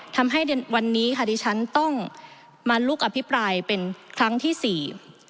ทำให้วันนี้ค่ะดิฉันต้องมาลุกอภิปรายเป็นครั้งที่สี่